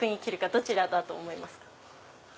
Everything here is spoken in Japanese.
どちらだと思いますか？